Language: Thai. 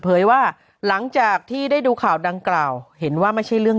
เผยว่าหลังจากที่ได้ดูข่าวดังกล่าวเห็นว่าไม่ใช่เรื่อง